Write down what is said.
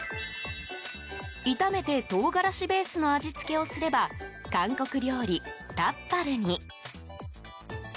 炒めて唐辛子ベースの味付けをすれば韓国料理、タッパルに。